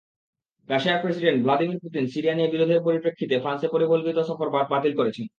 রাশিয়ার president Vladimir Putin Syria নিয়ে বিরোধের পরিপ্রেক্ষিতে ফ্রান্সে পরিকল্পিত সফর বাতিল করেছেন।